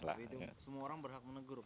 tapi itu semua orang berhak menegur